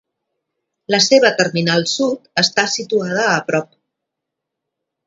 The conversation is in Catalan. La seva terminal sud està situada a prop.